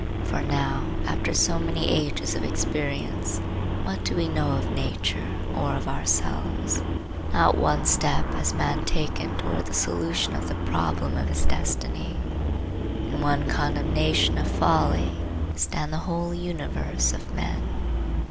For now, after so many ages of experience, what do we know of nature or of ourselves? Not one step has man taken toward the solution of the problem of his destiny. In one condemnation of folly stand the whole universe of men.